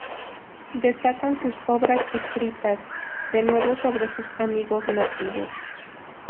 Destacan sus obras escritas, de nuevo sobre sus amigos nativos.